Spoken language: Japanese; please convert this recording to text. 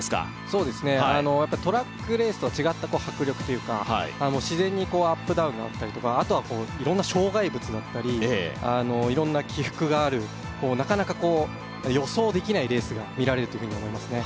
そうですねやっぱトラックレースとは違った迫力というか自然にアップダウンがあったりとかあとは色んな障害物だったり色んな起伏があるなかなかこう予想できないレースが見られるというふうに思いますね